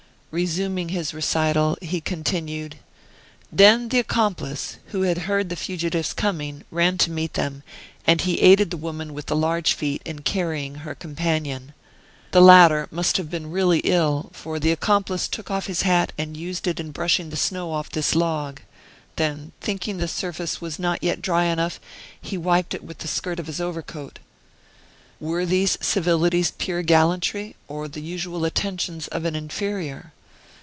Resuming his recital, he continued: "Then the accomplice, who had heard the fugitives coming, ran to meet them, and he aided the woman with large feet in carrying her companion. The latter must have been really ill, for the accomplice took off his hat and used it in brushing the snow off this log. Then, thinking the surface was not yet dry enough, he wiped it with the skirt of his overcoat. Were these civilities pure gallantry, or the usual attentions of an inferior?